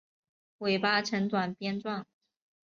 尾巴呈短鞭状。